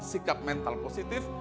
sikap mental positif